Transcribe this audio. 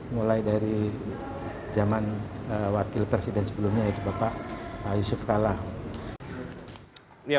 mulai dari zaman wakil presiden sebelumnya yaitu bapak yusuf kala